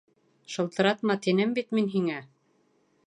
Шылтыратма, тинем бит мин һиңә!